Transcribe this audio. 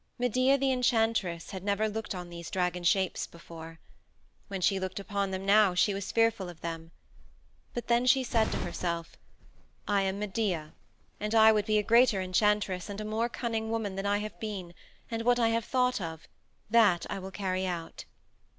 Medea the Enchantress had never looked on these dragon shapes before. When she looked upon them now she was fearful of them. But then she said to herself, "I am Medea, and I would be a greater enchantress and a more cunning woman than I have been, and what I have thought of, that will I carry out."